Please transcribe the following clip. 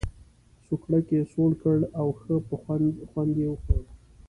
سوکړک یې سوړ کړ او ښه په خوند خوند یې وخوړ.